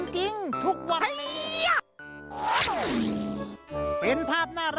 เกิดไม่ทันอ่ะ